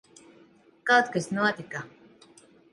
Kaut kas notika.